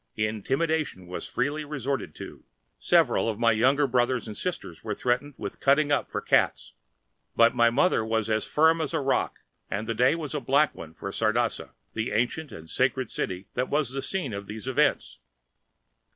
Intimidation was freely resorted to—several of my younger brothers and sisters being threatened with cutting up for the cats—but my mother was as firm as a rock, and the day was a black one for Sardasa, the ancient and sacred city that was the scene of these events.